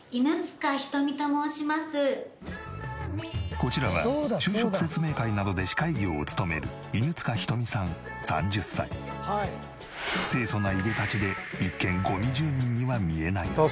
こちらは就職説明会などで司会業を務める清楚ないでたちで一見ゴミ住人には見えないが。